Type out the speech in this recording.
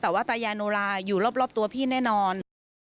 แต่ว่าตายายโนลาอยู่รอบตัวพี่แน่นอน